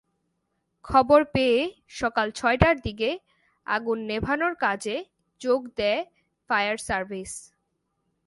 খবর পেয়ে সকাল ছয়টার দিকে আগুন নেভানোর কাজে যোগ দেয় ফায়ার সার্ভিস।